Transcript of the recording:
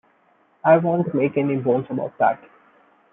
I won't make any bones about that.